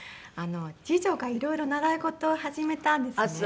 次女がいろいろ習い事を始めたんですね。